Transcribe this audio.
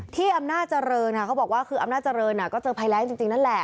ที่อำนาจเจริญเขาบอกว่าคืออำนาจริงก็เจอภัยแรงจริงนั่นแหละ